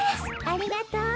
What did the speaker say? ありがとう。